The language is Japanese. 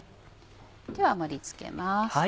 では盛り付けます。